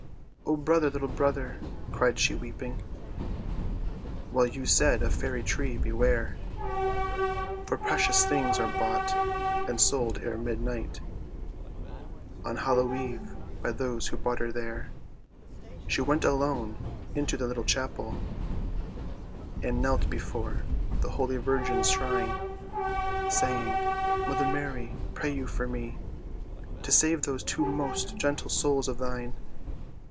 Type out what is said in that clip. "O brother, little brother," cried she weeping, "Well you said of fairy tree beware, For precious things are bought and sold ere mid night, On Hallow eve, by those who barter there." She went alone into the little chapel, And knelt before the holy virgin's shrine, Saying, "Mother Mary, pray you for me, To save those two most gentle souls of thine."